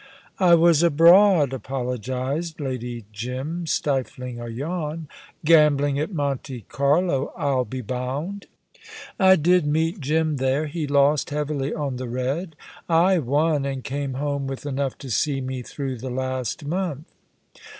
"I was abroad," apologised Lady Jim, stifling a yawn. "Gambling at Monte Carlo, I'll be bound." "I did meet Jim there. He lost heavily on the red. I won, and came home with enough to see me through the last month."